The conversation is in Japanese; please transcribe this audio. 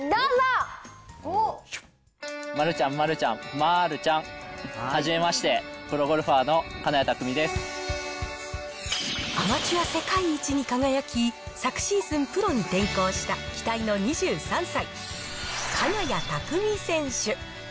丸ちゃん、丸ちゃん、丸ちゃん。はじめまして、アマチュア世界一に輝き、昨シーズン、プロに転向した期待の２３歳、金谷拓実選手。